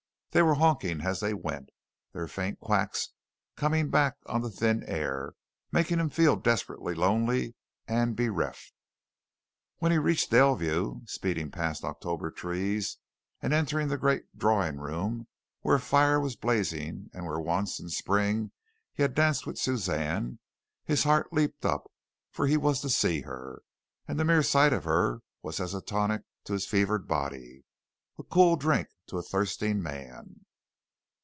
They were honking as they went, their faint "quacks" coming back on the thin air and making him feel desperately lonely and bereft. When he reached Daleview, speeding past October trees, and entered the great drawing room where a fire was blazing and where once in spring he had danced with Suzanne, his heart leaped up, for he was to see her, and the mere sight of her was as a tonic to his fevered body a cool drink to a thirsting man.